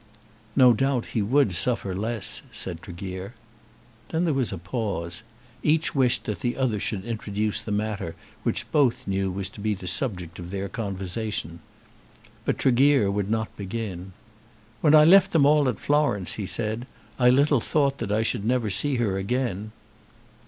"No doubt he would suffer less," said Tregear. Then there was a pause. Each wished that the other should introduce the matter which both knew was to be the subject of their conversation. But Tregear would not begin. "When I left them all at Florence," he said, "I little thought that I should never see her again."